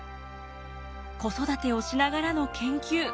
子育てをしながらの研究。